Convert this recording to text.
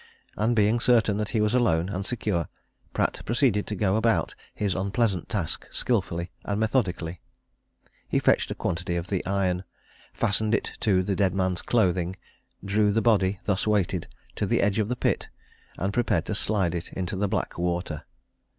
And being certain that he was alone, and secure, Pratt proceeded to go about his unpleasant task skilfully and methodically. He fetched a quantity of the iron, fastened it to the dead man's clothing, drew the body, thus weighted, to the edge of the pit, and prepared to slide it into the black water.